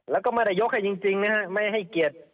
แล้วก็ไม่ได้ยกให้จริงนะฮะไม่ให้เกียรติ